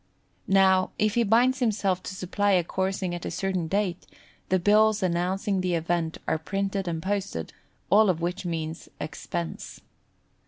Now, if he binds himself to supply a coursing at a certain date, the bills announcing the event are printed and posted, all of which means expense.